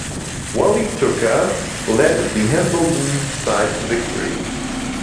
Whalley-Tooker led the Hambledon side to victory.